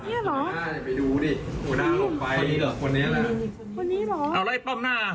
นี่เหรอคนนี้เหรอเอาไว้ป้อมหน้า